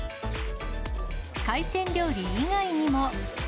海鮮料理以外にも。